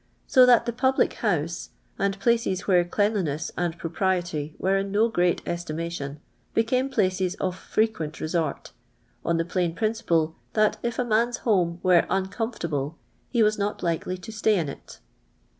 so that the public hou*e, and places where cli'aiiIint"iH and jiropriety were in n«» gr«'at estimation, bfcanio places of frequent r«'*<»rt, on the ]il:iin principli; that if a man's home were unconi fort.ihic, ho was not likely to stay in it.